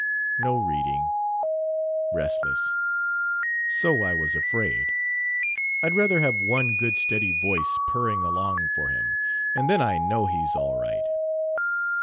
"No reading. Restless." "So I was afraid. I'd rather have one good steady voice purring along for him, and then I know he's all right.